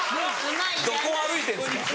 どこを歩いてるんですか。